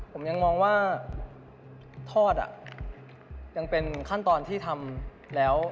ผมยังมองว่าทอดอ่ะยังเป็นขั้นตอนที่ทำแล้ว